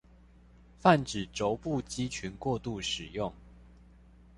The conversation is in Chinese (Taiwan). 泛指肘部肌群過度使用